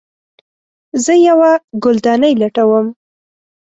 زه یوه ګلدانۍ لټوم